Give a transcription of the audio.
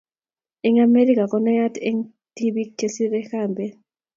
Eng Amerika konayat eng tibiik chesire kambet